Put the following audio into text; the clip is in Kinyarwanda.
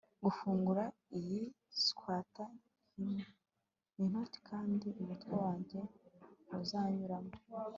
gufungura iyi swater ni nto kandi umutwe wanjye ntuzanyuramo